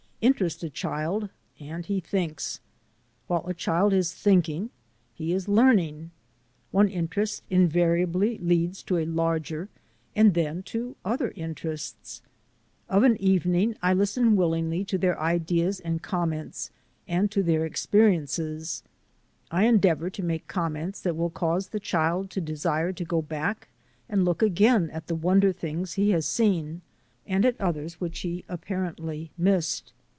Interest a child and he thinks. While a child is thinking he is learning. One interest invariably leads to a larger and then to other interests. CHILDREN OF MY TRAIL SCHOOL 175 Of an evening I listen willingly to their ideas and comments, and to their experiences. I en deavour to make comments that will cause the child to desire to go back and look again at the wonder things he has seen and at others which he appar ently missed.